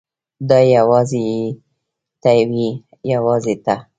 دا یوازې ته وې یوازې ته.